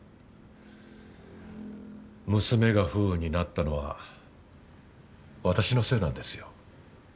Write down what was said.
娘が不運になったのは私のせいなんですよ。